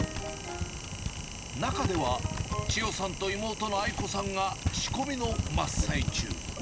中では千代さんと妹のあい子さんが仕込みの真っ最中。